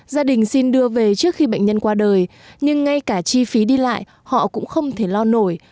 gia đình xin đưa về trước khi bệnh nhân qua đời nhưng ngay cả chi phí đi lại họ cũng không thể lo nổi